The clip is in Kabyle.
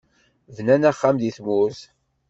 Bnan axxam deg tmurt.